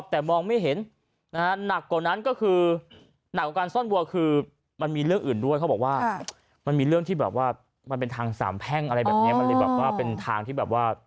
แต่มองไม่เห็นเดินผ่านหลายรอบ